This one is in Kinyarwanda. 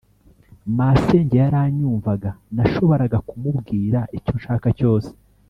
masenge yaranyumvaga, nashoboraga kumubwira icyo nshaka cyose”